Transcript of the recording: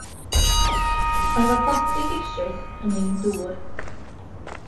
Ond mae'r plastig eisoes yn ein dŵr.